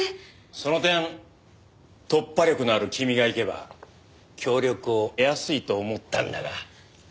その点突破力のある君が行けば協力を得やすいと思ったんだが。